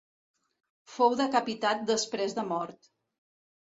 Fou decapitat després de mort.